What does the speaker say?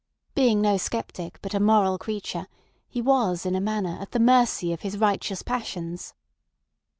Being no sceptic, but a moral creature, he was in a manner at the mercy of his righteous passions.